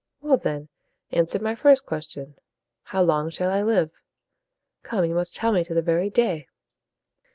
"Well, then, answer my first question: How long shall I live? Come, you must tell me to the very day."